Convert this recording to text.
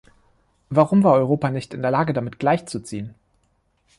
Warum war Europa nicht in der Lage, damit gleichzuziehen?